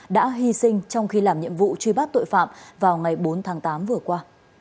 đã hy sinh trong khi làm nhiệm vụ truy bắt tội phạm vào ngày bốn tháng tám vừa qua